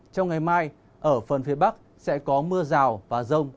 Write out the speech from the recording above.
trong ngày mai ở phần phía bắc sẽ có mưa rào và rông